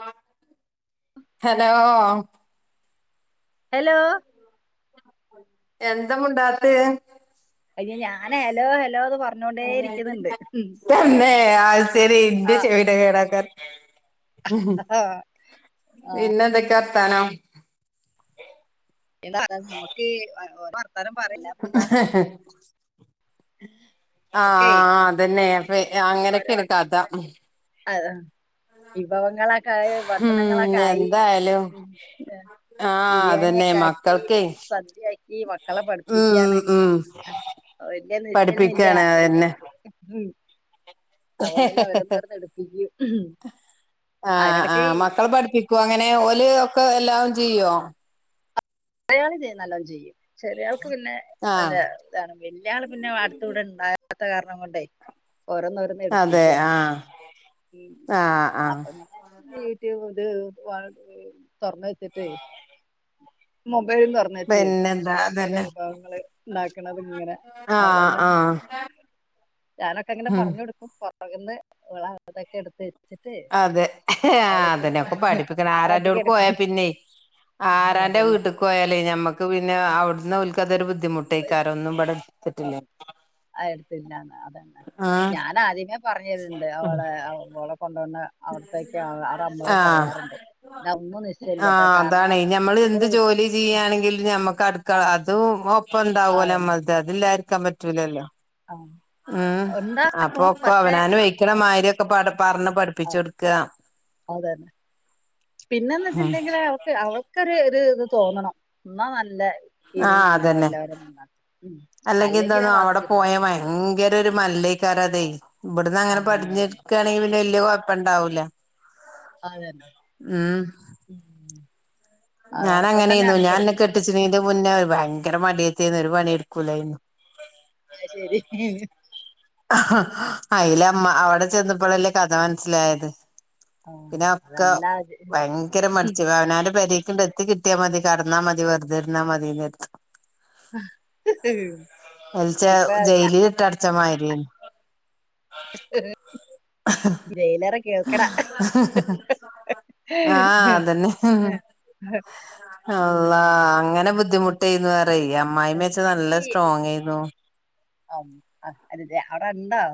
ആഹ് hello hello എന്താ മുണ്ടാത്തേ അയ്യോ ഞാൻ ഹലോ ഹലോന്ന് പറഞ്ഞോണ്ടേ ഇരിക്കുന്നുണ്ട് [unintelligible] തന്നെ അത് സെരി ഇൻ്റെ ആഹ് ചെവ് [unintelligible] ആഹ് പിന്നെ എന്തൊക്കെയാ വർത്താനം? എന്താ ഞമ്മക്ക് ഓരോ വർത്താനം പറയാ അല്ലാപ്പന്താ ആഹ് നമുക്കേ ആഹ് അതന്നെ അപ്പ അങ്ങനെയൊക്കെയാണ് കഥ [unintelligible] ആഹ് വിഭവങ്ങളൊക്കെ ആയി ഉം ഭക്ഷണങ്ങളൊക്കെ ആയി എന്തായാലും [unintelligible] ആ അതന്നെ ബിരിയാണിയൊക്കെ ആക്കി മക്കൾക്കേ സദ്യയാക്കി മക്കളെ ഉം പഠിപ്പിക്കാണ് ഉം ആഹ് വെല്യ നിശ്ചയൊന്നും ഇല്ലാ പഠിപ്പിക്കാണ് അതന്നെ [unintelligible] ഉം അവൻ പിന്നെ അവരൊന്ന് [unintelligible] അവരൊന്ന് എടുപ്പിക്കും അയിനെടക്ക് ക്കോ അങ്ങനെ ഓല് ഒക്കെ എല്ലാതും ചെയ്യോ? അയാള് ചെയ്യും നല്ലോം ചെയ്യും ചെറിയാൾക്ക് പിന്നെ ആ നല്ല താണ് വെല്യാള് പിന്നെ [unintelligible] ഇവിടെ ഇണ്ടാവാത്ത കാരണം കൊണ്ടേ ഓരോന്നോരന്ന് അതെ ആഹ് ആഹ് ആഹ് അപ്പൊ [unintelligible] ഇത് വാ ഏഹ് തൊറന്ന് വെച്ചിട്ടേ മൊബൈലും തൊറന്ന് വെച്ച് പിന്നെന്താ ഓരോ അതന്നെ വിഭവങ്ങള് ഇണ്ടാക്കണത്ങ്ങനെ ആ അവളന്നെ ആ ഞാനൊക്കെങ്ങനെ ഉം പറഞ്ഞു കൊടുക്കും പൊറക്ന്ന് [unintelligible] അതൊക്കെ എടുത്ത് വെച്ച് അതെ ആഹ് അതെന്നെ ഒക്കെ പഠിപ്പിക്കണം അവളൊറ്റക്ക് ആരാൻ്റോടക്ക് പോയാ എടുക്കുന്ന പിന്നെ ആരാന്റെ അതന്നെ വീട്ട്ക്ക് ക്കോയാലേ ഞമ്മക്ക് പിന്നെ അവിട്ന്ന് ഓൽക്കതൊരു ബുദ്ധിമുട്ട് ആയിക്കാരം ഒന്നും ഇബടെ എട്‌ത്തട്ട്ല്ലെങ്കി ആഹ് എടുത്തില്ലാന്ന് അതന്നെ ഞാനാദ്യമേ പറഞ്ഞത്ണ്ട് ഓളെ ഓളെ കൊണ്ടോണ്ടാ ആഹ് ഇതൊന്നും നിശ്ചയില്ലട്ടോ ആഹ് കാരണം അതാണെ ഞമ്മള് എന്ത് സ്കൂള് വിട്ട് ജോലി ചെയ്യണെങ്കിലും ഞമ്മക്ക് അട് ആ ക്കള അതും ആ ഒപ്പംണ്ടാവുല്ല അതന്നെ നമ്മളത് അതില്ലാതിരിക്കാൻ പറ്റൂലല്ലോ ആ ഉം ഉണ്ടാവും അപ്പൊക്കെ പക്ഷെ അവനാന് വയ്ക്ക്ണ മാര്യൊക്കെ പറഞ്ഞു പഠി ആഹ് അതന്നെ പിന്നെന്ന് വെച്ചിട്ടുണ്ടെങ്കിൽ അവക്ക് അവ ക്കൊര് ഇത് തോന്നണം എന്നാ നല്ല ഇരുന്ന ങ്ങനെ എല്ലാവരും അല്ലെങ്കിന്താന്ന അവിടെ പോയാ ഭയങ്കര ഒരു മല്ലയ്ക്കാരത് ഇവിട്ന്നങ്ങനെ അതന്നെ പടിഞ്ഞ ക്കണെങ്കിൽ വല്യ കുഴപ്പംണ്ടാവൂല്ല അതെ തെ ഉം [inaudible] ഞാൻ അതിനെ അങ്ങനെന്നു കൊണ്ടന്നെയാണ് ഞാൻ ഇന്നെ പഠിപ്പിക്കുന്നത് കെട്ടിച്ചിണെന്റെ മുന്നേ ഭയങ്കര മടിയത്തിന്ന് ഒരു പണിടുക്കൂലയ്നു അത്ശരി അയിലമ്മ അവിടെ ചെന്നപ്പളല്ലേ കഥ മനസ്സിലായത് ആ പിന്നെ ഒക്കെ അതല്ല ഭയങ്കര മടിച്ചു അവനാൻ്റെ പെരേക്ക്ണ്ട് എ ത്തി മതി കടന്ന മതി വെറുതെര്ന്നാ മതി ന്നാ കര്തും ഒരിസം ഇപ്പൊ ഞാൻ ജയിലിലിട്ടടച്ചുമാതിരേനി ജയിലറെ കേൾക്കണാ ആഹ് അതന്നെ ഉം അള്ളാഹ് അങ്ങനെ ബുദ്ധിമുട്ട് അമ്മായി ച്ച നല്ല സ്ട്രോങ് എന്നു ആം ആഹ് അതെതെ അവിടെണ്ടോ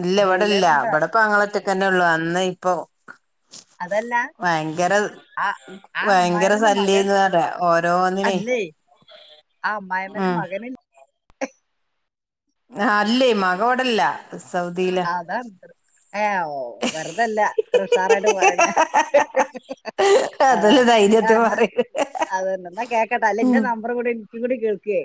ഇല്ല ഇവിടെ ഇല്ല ഉണ്ടോ ഇവിടെപ്പ ങ്ങളെ റ്റക്കന്നെ ഒള്ളു അന്ന് ഇപ്പൊ അതല്ല ഭയങ്കര ആ ആ ഭയങ്കര അമ്മായിമ്മന്റെ മകൻ ശല്യന്ന് പറ ഓരോന്നിനെ ആഹ് അമ്മയമ്മന്റെ ഉം മകന് ആഹ് അല്ലേ മകൻ വടല്ല സൗദിയില ഏഹ് ഓഹ് വെറുതല്ല ത്ര ഉഷാറായിട്ട് പറയ്ന്നെ അതല്ലെ ദൈര്യത്തി പറയുന്നെ അതന്നെ കേക്കട്ടെ അല്ല ഇന്റെ നമ്പർ കൂടി എനിക്ക കൂടി കേൾക്കേ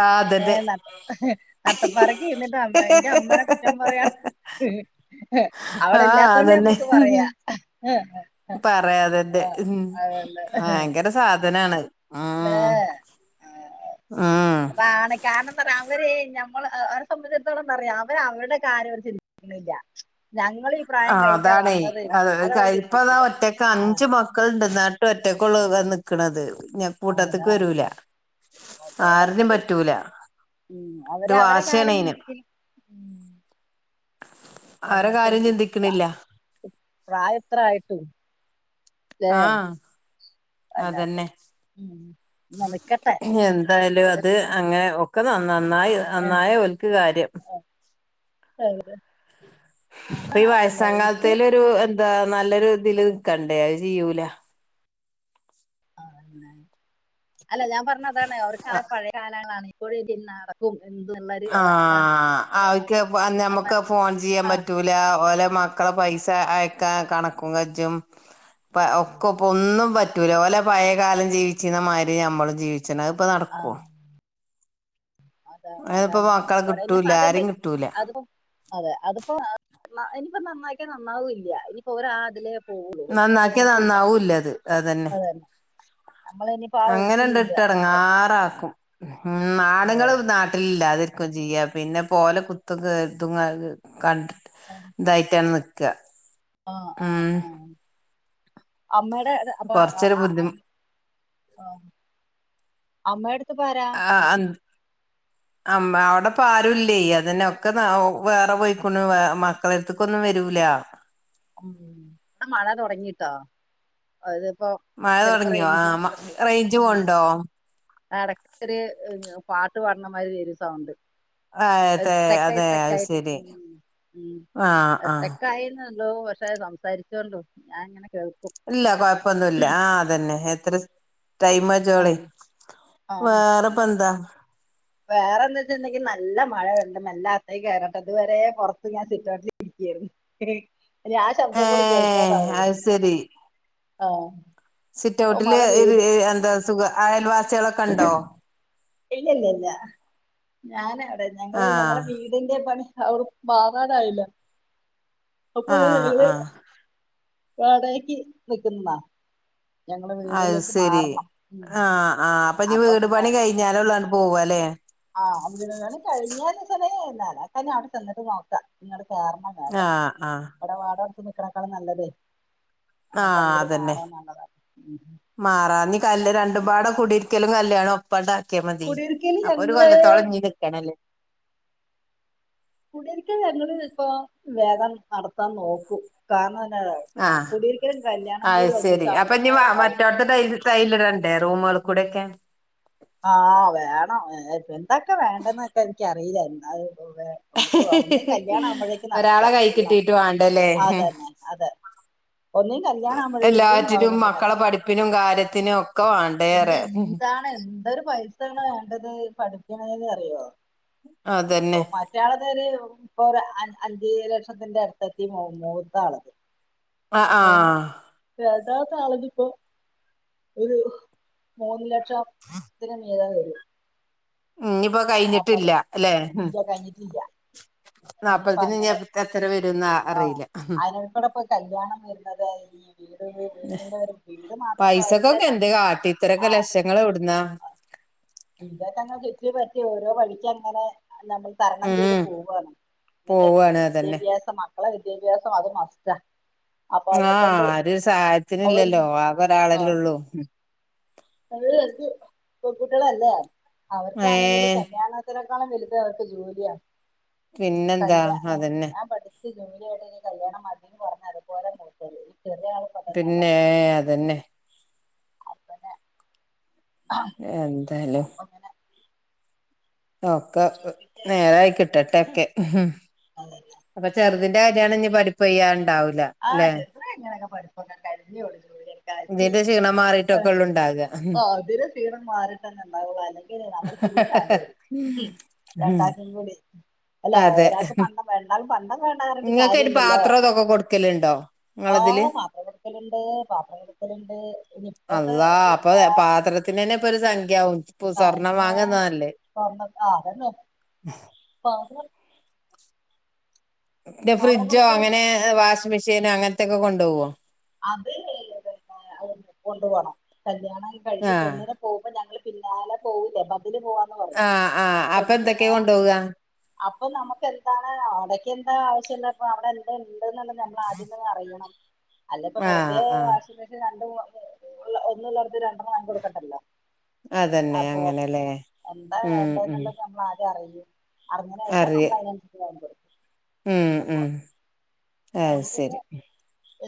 ആഹ് അതന്നെ എഹ് നട്ട പാതിരക്ക് ഇരി എന്റെ അമ്മേനെ കുറ്റം പറയാ അവിടെ ആഹ് ഇല്ലാത്തോൊണ്ട് ഞമ്മക്ക് പറയാ [unintelligible] പറയാതെന്നെ ആ, അതന്നെ ഭയങ്കര സാധനാണെ ദേ ആഹ് അപ്പ ആണ് കാരണമെന്ന് പറഞ്ഞാ അവര് ഞമ്മള് അവരെ സംബന്ധിച്ചിടത്തോളം പറയാം അവര് അവരുടെ കാര്യ ചി ട്ടില്ല ഞങ്ങള് ഈ പ്രായം ആഹ് കഴിഞ്ഞിട്ട അതാണേ വന്നത് അത് അതവര് ചിന്തിക്കില്ല ആഹ് മക്കളിണ്ട് ന്നട്ടുംഒറ്റക്കുള്ള നിക്ക്ണനത് ഞ കൂട്ടത്ത്ക്ക് അതാണ് വരൂല അതാ ആരിനും പറഞ്ഞത് പറ്റൂല ഉം ഒരു അവര് അവരെ വാശിയാണ് കാര്യം അയിന് ചിന്തിക്കും. അവരെ എന്നിട്ട് കാര്യം ചിന്തിക്കണില്ല [unintelligible] പ്രായ ഇത്ര ആയിട്ടും ആഹ് അല്ലാത്ത അതെന്നെ ഉം ന്നാ നിക്കട്ടെ എന്തായാലും അത് അങ്ങെനെ ഒക്കെ നന്നായ നന്നായ ഓൽക്ക് കാര്യം [unintelligible] ഇപ്പ ഈ പിന്നെ എനിക്ക് വയസങ്കാലത്തെലൊരു ദ് നല്ലൊരുതില് നിക്കണ്ടേ അത് ചിയ്യൂല ആഹ് അതന്നെ അല്ല ഞാ പർണതാണ് അവർക്ക പഴയ കാലങ്ങളാണ് ഇപ്പോഴി തിന്നാ കും എന്ത്നല്ലേ ആഹ് അവര്ക്ക് പോഞമുക്ക് ആ ഫോൺ പിയ്യാംപറ്റൂൽ ലാഓലെ മക്കള ആ പൈസ അയക്കാ കണക്കും കജും പ അയ്യോ ഒക്കൊ പൊന്നും പറ്റൂല ഓലെ പയേകാലം ജീവിച്ചീന്ന മാരി യമ്മളും ജീവി ആ ച്ചനത്പ്പനടക്കോ അതാണ് അത്പ്പോപ അതാണ് മക്കളെ പറഞ്ഞത് കിട്ടൂല്ല ഇനിയിപ്പോ അത് ആരിം ങ്ക്ട്ടൂല അതിപ്പോ അതെ അത്പ്പോ ആഹ് മ ഇനിപ്പോ നന്നാക്കിയാ നന്നാവൂല്യ ഇനിപ്പോ ഒരാത് ലേ നന്നാക്യ നന്നാവൂല്ലത് അതന്നെ അത് തന്നെ നമ്മളിനിയിപ്പോ ആ ഒഴുക്കിന് വിടുക അങ്ങനെണ്ട്ട്ട് തന്നെ എടങ്ങാറാക്കും ഉം നാട്ങ്ങള് ന്ന ഇല്ലാതിര്ക്കും ചിയ്യാ പിന്നെ പോല കുത്തും ങ്കേ ത്തും ങ്ങ കണ്ട് ആഹ് തായ്റ്റാൺ ന്ക്കാ ആഹ് ആഹ് ആഹ അമ്മേ ടെ ണ് അപ്പാ ആഹ് കൊറച്ചൊരു ആഹ് ബുദ്ധിമു ആഹ് അമ്മേട്ത്ത്പാരാ ആഹ് അൻ അമ്മേ അവ്ടപ്പാരുല്ലേ അതന്നെ ഒക്കെ ന ഒഹ് വേറെ പോയ്ക്കുനു ക്കളര്ത്ത്ക്കൊന്നും വരൂലാ ഉം ടെ മഴ തൊടങ്ങീട്ടോ അത്പ്പോ മഴ തൊടങ്ങ്യോ ആഹ് റൈഞ്ച് പോണ്ടോ ആഹ് ടക്കൊര് പാട്ട് പാട്നമാരി എരി സൗണ്ട് ആ അത് അതെ സ്റ്രേക്കായി അതെ അത് സ്റ്രേക്കാകായിട്ട് ശരി ഉം ഉം ആ അഹ് ആ സ്റ്രേക്കായേ ള്ളോവ് പക്ഷേ സംസാരിച്ചോണ്ടു ഞാൻങ്ങനെ കേൾക്കും ഇല്ല കൊഴപ്പൊന്നുല്ല ആഹ് അതന്നെ എത്രസ് ടൈമ് ജോളി ആഹ് വേറപന്താ വേറന്തച്ച്ണ്ടങ്കിൽ നല്ല മഴ വര്ന് മല്ലാത്തയ്ക്കാരം ഇത് വരെ പൊറത്ത് ഞാസിറ്റൈട്ടിലിര്ക്കേര്ന്നു ആഹ് ശബ്ദം ഏ ങ്കൂടി കേൾക്കാദാവേ അത് ശരി ആഹ് സിറ്റൗട്ടില് പെയ്തു എന്താ സുഖ അയൽവാസ്യേളക്കൺണ്ടോ ഇല്ലേല്ല ല്ലാഞാനവ്ടെ ഞങ്ങള് ആ ഞങ്ങളെ വീട് തിന്റെ പണി അവ് മാറാനായില്ലേ അപ്പൊ ആ ഞങ്ങള് ആ വാടകക്ക് നിക്ക്ന്നന്നാ അത് സെരി ആഹ് ആഹ് അപ്പൊഞ് അപ്പൊ വീട് പണി കയ്ഞ്ഞാലൊള്ളു അൺ പോവലേ ആഹ് വീടുകള് കഴിഞ്ഞാന്ന് സലേല കാരന അവ്ടെ ചെന്ന്ട്ട് നോക്കാ ഇങ്ങട് പോര്നേ ആഹ് ആഹ് ബടെ വാടകൊട്ത്ത് നിക്ക്ണേക്കാളും നല്ലതേ നമ്മക്ക് അങ്ങട് മാറാനല്ലതാണ് മാറാഞ് കല്ല് രണ്ടുമ്പാട കുടിര്ക്കലും കല്യാണാം പ്പടാക്യാമത്യയ് കുടിയിരിക്കല് അപ്പൊരു ഞങ്ങള് കൊല്ലത്തോള ഞ്ഞ് നിക്കണലേ കുടീര്ക്കൽ ഞങ്ങള്പ്പൊ വേദം നടത്താൻ നോക്കും കാര്ണം ഞാ ആഹ് കുടീര്ക്കലും കല്യാണം ങ്കൂടി ഒന്നിച്ചാം മ്പോനേരംണ്ടാവുല തൈയ്ൽ ട്രൈല്ടണ്ടേ റൂമേൾ കൂടെക്കെ ആഹ് വേണം ഏഹ് എന്തക്കെ വേണ്ടന്നൊക്കെ എനിക്കറീല എന്താഹ് പോ വേ ഒട്ട് ഒഹ് ഒന്നി കല്യാണാവുമ്പഴേക്കും നടത്താ ഒരാളെ കൈ ഉള്ളാക്ക കിട്ടീട്ട് വാണ്ടല്ലേ അതന്നെ അതെ ഒന്നിൻകല്യാണാമ്പഴേക്യും വവ് മുന്നിലാക്കാ ഉപ്പിനും കാര്യത്തിനും ഒക്കെ വേണം പിന്നെ എന്താണ് എന്തരു പൈസയാണ് വേണ്ടത് പഠിപ്പണെന്ന് അറിയോ അതന്നെ മറ്റയാളത് ഒരു ഇപ്പൊ അഞ്ച ലക്ഷത്തിന്റെ അടുത്തത്തി മൂത്താള്ളത് ആഹ് ആഹ് യഥാത് ആളഞ്ഞ ഇപ്പോ ഒരു മൂന്ന് ലക്ഷത്തിന് മീത വരും ഉ ഇനിപ്പോ അപ്പൊ അത് കഴിഞ്ഞിട്ടില്ല അല്ലെ ഉ ഇല്ല കഴിഞ്ഞിട്ടില്ല ഇനിയിപ്പോ നാൽപ്പത്തിന് അങ്ങനെ എത്ര വരുംന്ന് അറിയില്ല കല്ല്യാണം വരുന്നതായിരിക്കും പോരല്ലേ പൈസക്കൊക്കെ എന്ത് നമുക്ക് കാട്ടി ഇത്രൊക്കെ ലക്ഷങ്ങൾ എവിടുന്നാ ഇതൊക്കന്നെ ചുറ്റി പറ്റി ഓരോ വഴിക്ക് അങ്ങനെ അല്ലാണ്ട് തരണം ഉം ചെയ്ത് പോവാണ് എന്താ പോവാണ് അതന്നെ വിദ്യാഭ്യാസം മക്കളെ വിദ്യാഭ്യാസം അത് മസ്റ്റാ അപ്പൊ ആഹ് അതിനെക്കൊണ്ട് ആരു സഹായത്തിന് അവർ ഇല്ലല്ലോ ആകെ ഒരാളെല്ലേ ആഹ് ഉള്ളൂ അത് എനിക്ക് പെൺകുട്ടികളല്ലേ അവർക്കാണെങ്കിൽ ഏഹ് കല്യാണ എത്രക്കാളം വലുത് അവർക്ക് ജോലിയാ പിന്നെന്താ കല്യാ ആ അതന്നെ ഞാൻ പഠ ച്ച് ജോലിയായിട്ട് കല്യാണം മദിന്ന് പറഞ്ഞ് അതേ പോലെ മുത്തത് ഈ ചെറിയ ആള് പിന്നെ അതന്നെ ആഹ് എന്താലും അങ്ങനെ ഒ ക്കെ ചിന്തിക്കാനും നേരായി കിട്ടട്ടൊക്കെ ഉ അതെന്നെ അപ്പൊ ചെറുതിന്റെ കല്യാണം ഇനി പഠിപ്പ് കഴിയ്യാണ്ട് ഉണ്ടാവില്ല ആഹ് ചെറുത് റ്റ് എങ്ങനൊക്കെ പഠിപ്പ് ഒക്കെ കഴിഞ്ഞുള്ളുജോലി ഇതിന്റെ ക്ഷീണം മാറിയിട്ടൊക്കെ [unintelligible] ഉള്ളു ഉണ്ടാകുക അതിരെ സീ ണം മാറിട്ട്ന്നെ ഉണ്ടാവും അല്ലെങ്ക നമ്മള് തൂങ്ങി ചാവേണ്ടി വരും ഉം രണ്ടാക്കും കൂടി അല്ല അതെ ഒരാൾക്ക് പണ്ടം വേണ്ടാലും പണ്ടംവേണ്ടാന്ന് പറഞ്ഞിട്ട് കാര്യല്ലല്ലോ ഒക്കലുണ്ടോ ആഹ് പാത്രം കൊടുക്കലുണ്ട് പാത്രം കൊടുക്കലുണ്ട് ഇനി ഇപ്പത്തെ റൂ ഇപ്പൊ പാത്ര തിന് തന്നെ ഒരു സംഖ്യാവും [unintelligible] പിന്നെ പാത്രം ഫ്രിഡ്ജോ കൊടുക്കലുണ്ട് അങ്ങനെ വാഷിംഗ് മെഷീനോ അങ്ങനത്തൊക്ക കൊണ്ടോകോ അത് കൊണ്ടു പോണം കല്യാണം കഴിഞ്ഞ് ആഹ് പെണ്ണിനെ പോകുമ്പോ ഞങ്ങള്ൾ പിന്നാലെ പോകില്ലേ ബതില് പോവാ ആഹ് ആഹ് അപ്പൊ എന്തൊക്കെ കൊണ്ടോക അപ്പൊ നമുക്ക് എന്താണ് അവിടക്ക് എന്താ ആവശ്യല്ല അപ്പൊ അവിടെ എന്താ ഉണ്ട് നമ്മൾ ആദ്യമ അറിയണം അല്ലപ്പ ആഹ് വെറുതെ ആഹ് വാഷിം മെഷീന് രണ്ടും ഒന്നള്ളടത്തി രണ്ടണ്ണം വാങ്ങി കൊടുക്കണ്ടല്ലോ അതന്നെ അപ്പൊ അങ്ങനെല്ലേ എന്താ ഉം ഉം വേണ്ടെന്നുള്ള നമ്മൾ ആദ്യം അറിയും അറഞ്ഞേനേഷം അറിയ നമ്മൾ അതിനനുസരിച്ച് വാങ്ങി കൊടുക്കും ഉം ഉം അത് അവിടെ പിന്നെ ശരി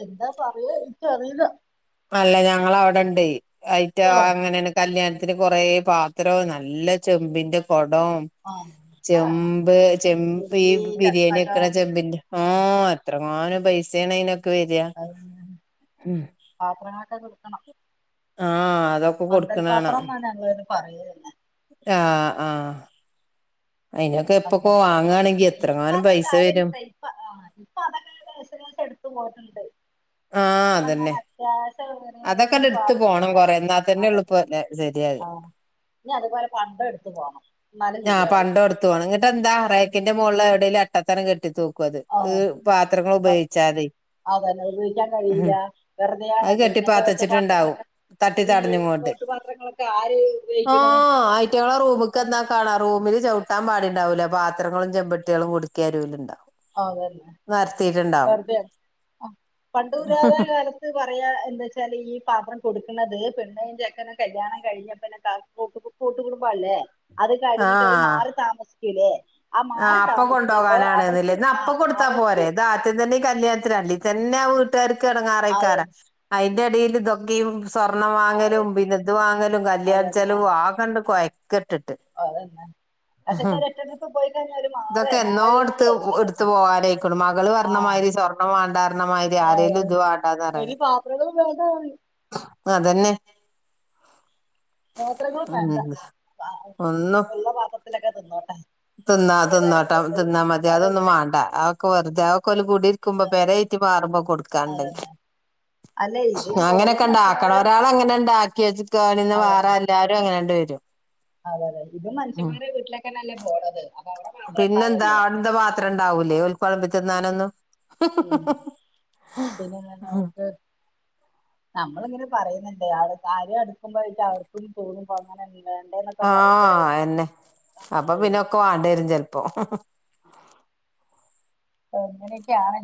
എന്താ പറയ എനിക്കറില അല്ല ഞങ്ങ അവിടെണ്ട് അയിറ്റ ആഹ് അങ്ങനെ കല്യാണത്തിന് കൊറെ പാത്രവും നല്ല ചെമ്പിന്റെ കുടവും ആഹ് ഒക്കെ വേണം ചെമ്പ് ചെമ്പ് ഈ ഉരുളി ബിരിയാണി വെക്കണ ചട്ടകം ചെമ്പിന്റെ ആഹ് എത്രങ്ങാനു ഉം പൈസേണ് അയിനൊക്കെ വരാ. അത് പാത്രങ്ങളൊക്കെ കൊടുക്കണം. ആഹ് അതൊക്കെ കൊടുക്കണാണാ പന്തൽപാത്രം എന്നാണ് ഞങ്ങള് പറയലെനെ. ആഹ് ആഹ് അതിനൊക്കെ ഇപ്പൊക്ക പന്തൽ പാത്രം വാങ്ങുകയാണെങ്കിൽ എത്രങ്ങാനം പൈസ വരും. ഇപ്പെ ആ ഇപ്പൊ അതൊക്കെ ഏകദേശം എടുത്തുകാണ്ട് പോകുന്നുണ്ട്. ആഹ് അതന്നെ. ഗ്യാസാണ് തോന്ണ് അതൊക്കെ എടുത്ത് പോകണം കൊറേ എന്നാൽ തന്നെ ഒള്ളു ഇപ്പോ ശരിയാവാ. ആഹ് ഇനി അതുപോലെ പണ്ടം എടുത്ത് പോണം എന്നാലെ ശരിയാകൊള്ളൂ. തെണങ്ങിയിട്ടെന്താ റേക്കിന്റെ മുകള എവിടേലും അട്ടത്തങ്ങട്ട് കെട്ടി തൂക്കും അത്. ആഹ് പാത്രങ്ങ ഉപയോഗിച്ചാതെ അതന്നെ ഉപയോഗിക്കാൻ കഴിയില്ല അത് വെറുതെയാണത് കെട്ടി. ഇങ്ങനത്തെ പാത്തെച്ചിട്ടുണ്ടാവും ഓട്ടുപാത്രങ്ങളൊക്കെ തട്ടി ഈ തടഞ്ഞു കൊണ്ട് ഓട്ടുപാത്രങ്ങളൊക്കെ ആര് ഉപയോഗിക്കണ് ആഹ് കുട്ടോളെ റുമ്ക്ക് ചെന്നാ. കാണാം റൂമില് ചവിട്ടാ പാടിണ്ടാവൂല്ല പാത്രങ്ങളും ചെമ്പട്ടികളും കുടിക്കിം അരുലുണ്ടാവും. ആ അതന്നെ വെറ്തേ പണ്ട് പുരാതായ കാലത്ത്. പറയാ എന്താ വെച്ചാല് ഈ പാത്രം കൊടുക്കണുന്നത് പെണ്ണയും ചെക്കനും കല്യാണം കഴിഞ്ഞപ്പന്നെ. [unintelligible] കൂട്ടുകുടബല്ലേ അത് കഴിഞ്ഞിട്ട് അവര് ആ മാറി താമസി ക്കൂലെ ആ മാറി താമസിക്കുമ്പോ അവർക്ക്. വേ- ആ അപ്പ കൊടുത്താ പോരെ അവർക്ക് ഇത് ആദ്യം തന്നെ ഈ കല്യാണത്തിന് തന്നെ വീട്ടുകാർക്ക് അത് ഇണങ്ങാറേയ്ക്കാരം അതിന്റെ ഇടിയിൽ ഇതൊക്കീം സ്വർണ്ണം അത് വാങ്ങലും പിന്ന ഇത് വാങ്ങലും കല്യാണം അതന്നെ ചെലവും ആകെ. ആപ്പാണ്ട് കൊയക്കെട്ട്. അതന്നെ പക്ഷെ ഇത് ഒര്ഒറ്റന്ന് ഇപ്പം പോയിക്കഴിഞാലും ഇതൊക്കെ എന്നോ എടുത്ത് എടുത്തു പോകാനായിക്കു മകള് ആ പറഞ്ഞ മാതിരി സ്വർണ്ണ വേണ്ട പറഞ്ഞമാതിരി. ആരെലും ഇത് വാണ്ടാന്നറോ. ഈ പാത്രങ്ങളും വേണ്ടാ പറയും. അതന്നെ. പാത്രങ്ങളും വേണ്ട ഉം. ഒന്നും ഇപ്പൊ ഉള്ള പാത്രത്തിലൊക്കെ തിന്നോട്ടെ. തിന്നാ ഏതായാലും തിന്നോട്ടാ ഒരു തിന്നാ മതി മനുഷ്യന്മാരെ അതൊന്നും വീട്ടിലെ വാണ്ട അതൊക്കെ വെറുതെ അതൊക്കെ ഓല് കൂടി ക്കുമ്പോ അതന്നെ പെരേറ്റി മാറുമ്പോ കൊടുക്കാണ്ടങ്കി അതന്നെ അല്ലെ ഇതും പോണത് മനുഷ്യന്മാരെ അങ്ങനൊക്കെണ്ടാക്കണം ഒരാള് അങ്ങനെ ഇണ്ടാക്കി വെച്ചക്കാണെ [unintelligible] വേറെ അതന്നെ എല്ലാവരും അങ്ങനണ്ട് വരും അതെ അതെ ഇതും മനുഷ്യൻ ഉം മാരെ വീട്ടിലേക്കന്നല്ലേ പോണത് അവിടെ പാത്രം പിന്നെന്താ ഉണ്ടാവല്ലോ അവിടെത്തെ ആ, പാത്രം ഇണ്ടാവൂലേ ഓല്ക്ക് വളമ്പി ഉം, തിന്നാനൊന്നും പിന്നെന്നാ [unintelligible] നമ്മളിങ്ങനെ പറയുന്നുണ്ട് ആ കാര്യം അടുക്കുമ്പോയിട്ട് അവർക്കും തോന്നും അപ്പൊ അങ്ങനെ വേണ്ട എന്നൊക്കെ ആഹ് പറയുമ്പഴായിരിക്കും പേടി ഒക്കെ വാണ്ടി വരും ചെലപ്പോ അങ്ങനെയൊക്കെ ആണ്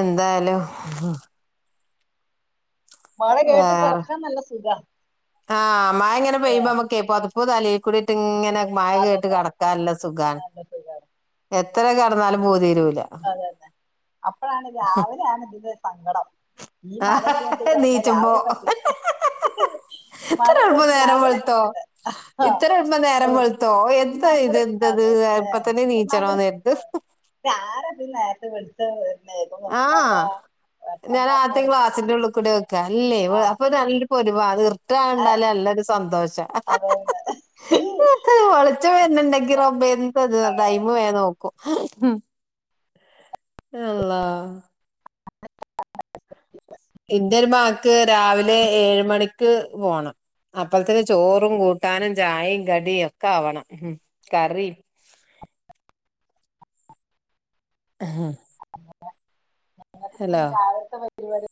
എന്തായാലും മഴ കേട്ട് വേറെ കെടക്കാൻ നല്ല സുഖാ ആഹ് മഴങ്ങനെ പെയ്യുമ്പോ നമ്മക്ക് പൊതപ്പ് തലീ കൂടെഇട്ട് ഇങ്ങനെ മഴ കേട്ട് അതന്നെ കിടക്കാൻ നല്ല സുഖാണ് നല്ല സുഖാണ് എത്ര കിടന്നാലും പൂതി തിരൂല ഇതാണ് ഇതിന്റെ സങ്കടം ഈ മഴയും കേട്ട് കെടക്കാൻ രാവിലെ പറ്റി [inaudible] ഇത്തരെഎള്പ്പം നേരംവെളുത്തോ കിടക്കണ്ടേ ആ ഇത്തരെ എള്പ്പംനേരംവെളുത്തോ ഇന്ന് എന്താ ഇത് അങ്ങട് എന്തത് അതെ ഇപ്പത്തന്നെ നീച്ചണോന്ന് നേരത്ത് പ്പ് ആരതാ നേരത്ത് വി ത്ത് വരുന്നേരം ആഹ് ഞാൻ ആദ്യ ക്ലാസിന്റെ തുടങ്ങി ഉള്ളി കൂടെ വെക്കാ അല്ലേ ആ അപ്പൊ നല്ല പൊലിവ ഇർണ്ട് കണ്ടാല് നല്ലരു സന്തോഷാ അതന്നെ ച്ചം വരണ് ഇണ്ടെങ്കി റബ്ബേ എന്തത് ടൈംമ് വേഗം നോക്കും അള്ളാ [inaudible] എന്റെ ഒരു മകക്ക് രാവിലെ ഏഴ് മണിക്ക് പോണം അപ്പളത്തിന് ചോറും കൂട്ടാനും ചായയും കടിയും ഒക്കെ ആവണം ഉം കറിം ഹ് അങ്ങനെ ഞങ്ങൾക്ക്ന്ന് രാവിലത്തെ പരിപാടി